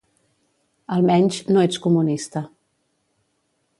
Almenys, no ets comunista.